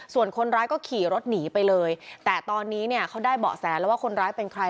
ส่วนคนร้ายก็ขี่รถหนีไปเลยแต่ตอนนี้เนี่ยเขาได้เบาะแสแล้วว่าคนร้ายเป็นใคร